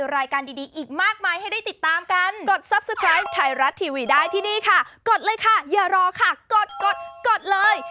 รอค่ะกดกดกดเลย